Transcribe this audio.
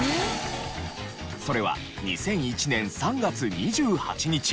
それは２００１年３月２８日。